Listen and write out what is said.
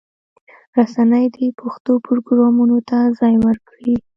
رسنۍ دې پښتو پروګرامونو ته ځای ورکړي.